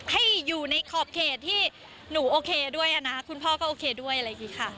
ให้อยู่ในขอบเขตที่หนูโอเคด้วยนะคุณพ่อก็โอเคด้วยอะไรอย่างนี้ค่ะ